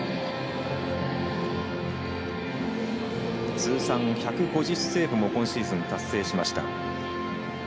通算１５０セーブも今シーズン達成しました。